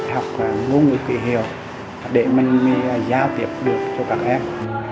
học ngôn ngữ ký hiệu để mình giao tiếp được cho các em